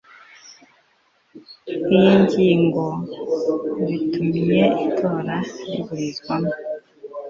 iyi ngingobitumye itora riburizwamo